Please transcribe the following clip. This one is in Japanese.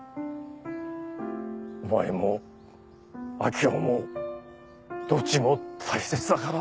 お前も明生もどっちも大切だから。